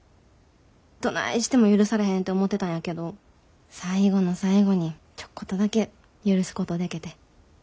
どないしても許されへんて思てたんやけど最後の最後にちょっことだけ許すことでけて。